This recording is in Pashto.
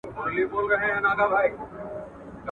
بد هلک بیرته بدیو ته ولاړ سي ..